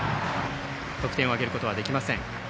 得点を挙げることはできません。